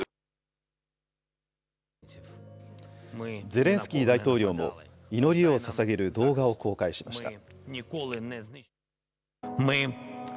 ゼレンスキー大統領も祈りをささげる動画を公開しました。